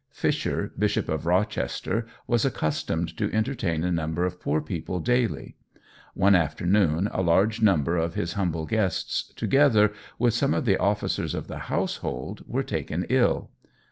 Fisher, Bishop of Rochester, was accustomed to entertain a number of poor people daily. One afternoon a large number of his humble guests, together with some of the officers of the household, were taken ill.